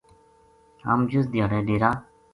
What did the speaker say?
ہم جس دھیاڑے ڈیرا